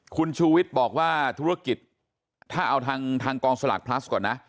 คุณชูวิทย์บอกว่าธุรกิจถ้าเอาทางกองสลากพลัสก่อนนะ